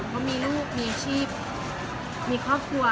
เขามีลูกมีอาชีพมีครอบครัว